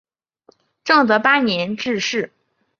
正德八年致仕。